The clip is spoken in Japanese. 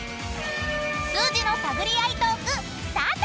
［数字の探り合いトークスタート！］